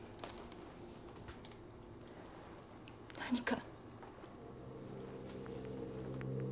何か？